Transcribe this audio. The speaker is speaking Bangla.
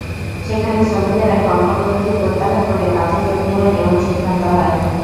সেখানে শ্রমিকেরা কর্মবিরতি প্রত্যাহার করে কাজে যোগ দেবেন এমন সিদ্ধান্ত হয়।